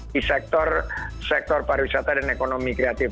di sektor pariwisata dan ekonomi kreatif